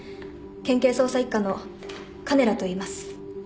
県警捜査一課の鐘羅といいます。